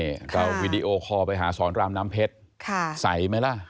นี่เราวีดีโอคอลไปหาสอนรามน้ำเพชรใสไหมล่ะ